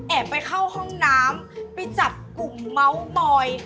ไปเข้าห้องน้ำไปจับกลุ่มเมาส์มอย